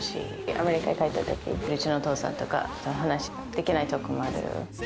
アメリカに帰ったとき、うちのお父さんとか、話ができないと困る。